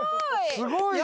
すごいな！